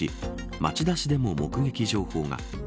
町田市でも目撃情報が。